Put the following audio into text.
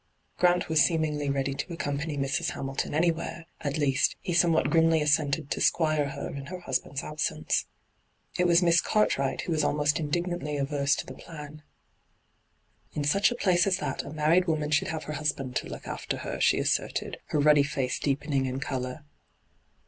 Grant was seemingly ready to accompany Mrs. Hamilton anywhere ; at least, he somewhat grimly assented to squire her in her husband's absence. It was Mias Cartwright who was almost indignantly averse to the plan. ' In such a place as that, a married woman should have her husband to look after her,' she asserted, her ruddy face deepening in colour.